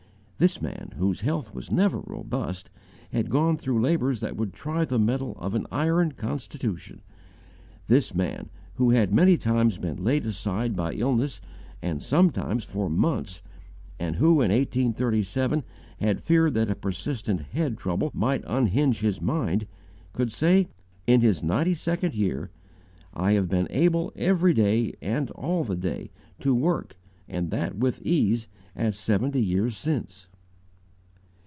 This man, whose health was never robust, had gone through labours that would try the mettle of an iron constitution; this man, who had many times been laid aside by illness and sometimes for months and who in 1837 had feared that a persistent head trouble might unhinge his mind, could say, in his ninety second year: "I have been able, every day and all the day, to work, and that with ease, as seventy years since."